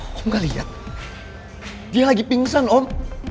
aku gak lihat dia lagi pingsan om